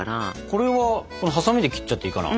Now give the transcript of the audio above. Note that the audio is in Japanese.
これはハサミで切っちゃっていいかな？